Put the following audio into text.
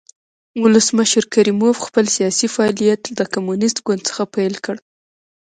ولسمشر کریموف خپل سیاسي فعالیت د کمونېست ګوند څخه پیل کړ.